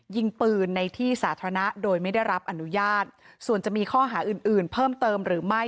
ยิงปืนในที่สาธารณะโดยไม่ได้รับอนุญาตส่วนจะมีข้อหาอื่นอื่นเพิ่มเติมหรือไม่